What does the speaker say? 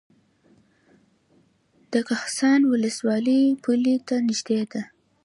د کهسان ولسوالۍ پولې ته نږدې ده